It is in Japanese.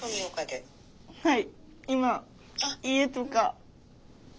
はい。